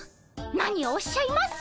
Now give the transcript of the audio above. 何をおっしゃいます！